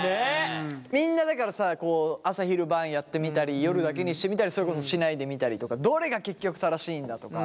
みんなだからさ朝昼晩やってみたり夜だけにしてみたりそれこそしないでみたりとかどれが結局正しいんだとか。